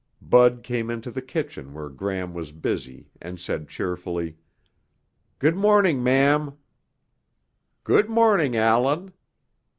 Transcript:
Bud came into the kitchen where Gram was busy and said cheerfully, "Good morning, ma'am." "Good morning, Allan."